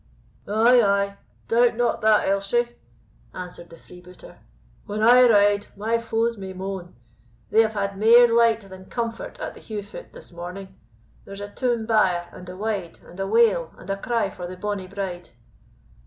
"Ay, ay, doubt not that, Elshie," answered the freebooter; "When I ride, my foes may moan. They have had mair light than comfort at the Heugh foot this morning; there's a toom byre and a wide, and a wail and a cry for the bonny bride."